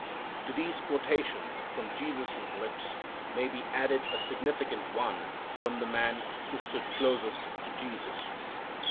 To these quotations from Jesus' lips may be added a significant one from the man who stood closest to Jesus.